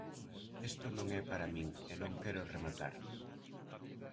Esto non é para min, e non quero rematar...